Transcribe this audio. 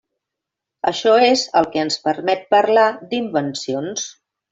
Això és el que ens permet parlar d'invencions.